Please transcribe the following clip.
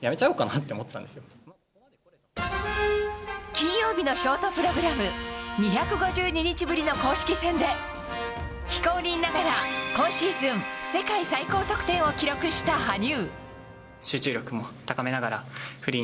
金曜日のショートプログラム２５２日ぶりの公式戦で非公認ながら今シーズン世界最高得点を記録した羽生。